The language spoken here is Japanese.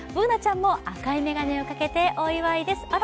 Ｂｏｏｎａちゃんも赤いメガネをかけてお祝いです。